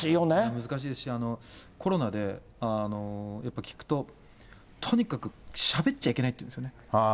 難しいし、コロナでやっぱり聞くと、とにかくしゃべっちゃいけないと言うんですね。